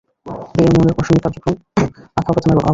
এ ইউনিয়নের প্রশাসনিক কার্যক্রম আখাউড়া থানার আওতাধীন।